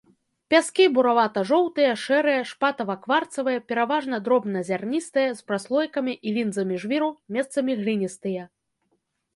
Пяскі буравата-жоўтыя, шэрыя, шпатава-кварцавыя, пераважна дробназярністыя, з праслойкамі і лінзамі жвіру, месцамі гліністыя.